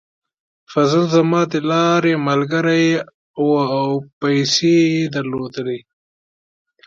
فضل زما د لارې ملګری و او پیسې یې درلودې.